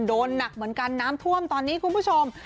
โดนหนักเหมือนกันน้ำท่วมตอนนี้คุณผู้ชม